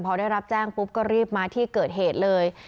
พอได้รับแจ้งปุ๊บก็รีบมาที่เกิดเหตุเลย